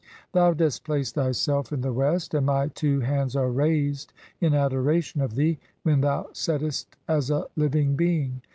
Thou dost place thyself in "the west, and my two hands are [raised] in adoration [of thee] "(3o) when thou settest as a living being.